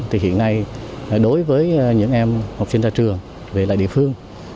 thì hiện nay đối với những em học sinh ra trường về lại địa phương